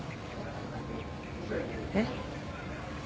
えっ？